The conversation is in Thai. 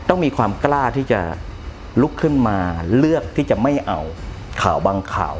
ต้องมีความกล้าที่จะลุกขึ้นมาเลือกที่จะไม่เอาข่าวบางข่าว